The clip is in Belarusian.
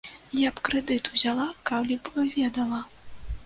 Я б крэдыт узяла, калі б ведала.